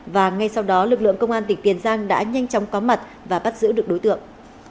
và ngay sau đó lực lượng công an tỉnh tiền giang đã nhanh chóng có mặt và bắt giữ được đối tượng